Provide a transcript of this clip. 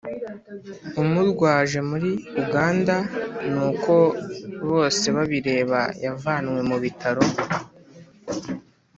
umurwaje muri uganda, ni uko bosebabireba yavanywe mu bitaro,